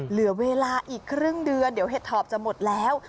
เหลือเวลาอีกครึ่งเดือนเดี๋ยวเห็ดถอบจะหมดแล้ว